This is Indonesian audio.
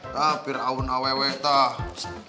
tapi tidak ada yang menangis